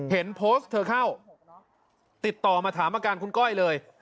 เห็นโพสต์เธอเข้าติดต่อมาถามอาการคุณก้อยเลย